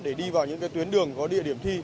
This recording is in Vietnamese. để đi vào những tuyến đường có địa điểm thi